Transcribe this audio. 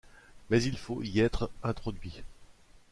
Mais il faut y être introduit.